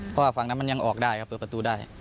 เพราะว่าฝั่งนั้นมันยังออกได้ครับเปิดประตูได้